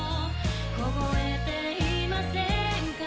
凍えていませんか？